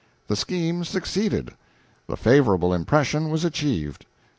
This scheme succeeded the favorable impression was achieved.